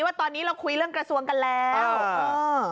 ว่าตอนนี้เราคุยเรื่องกระทรวงกันแล้วเออ